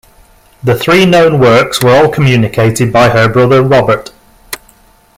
The three known works were all communicated by her brother Robert.